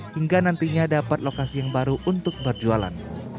hingga nantinya dapat lokasi yang baru untuk berjualan